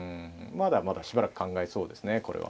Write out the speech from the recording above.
まだまだしばらく考えそうですねこれは。